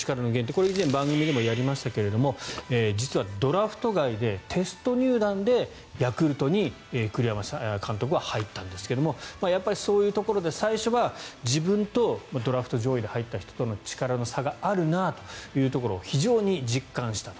これは以前番組でもやりましたが実はドラフト外でテスト入団でヤクルトに栗山監督は入ったんですがやっぱりそういうところで最初は自分とドラフト上位で入った人との力の差があるなというところを非常に実感したと。